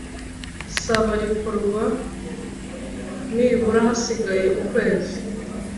saba rikorwa nibura hasigaye ukwezi